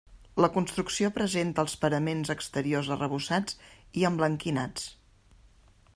La construcció presenta els paraments exteriors arrebossats i emblanquinats.